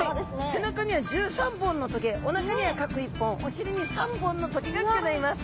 背中には１３本の棘おなかには各１本お尻に３本の棘がギョざいます。